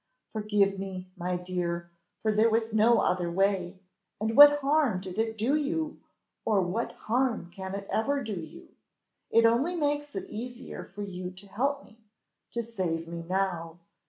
"Forgive me, my dear, for there was no other way; and what harm did it do you, or what harm can it ever do you? It only makes it the easier for you to help me to save me now.